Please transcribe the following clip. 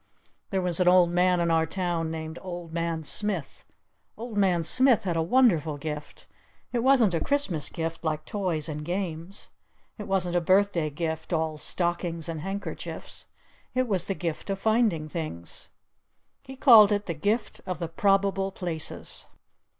There was an old man in our town named Old Man Smith. Old Man Smith had a wonderful Gift. It wasn't a Christmas Gift like toys and games. It wasn't a Birthday Gift all stockings and handkerchiefs. It was the Gift of Finding Things! He called it "The Gift of the Probable Places."